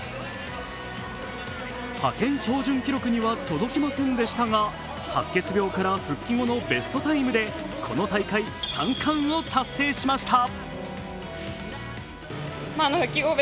派遣標準記録には届きませんでしたが白血病から復帰後のベストタイムでこの大会３冠を達成しました。